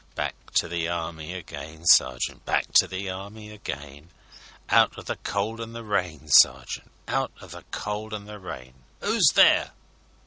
Back to the Army again, sergeant, Back to the Army again: Out o' the cold an' the rain, sergeant, Out o' the cold an' the rain. 'Oo's there?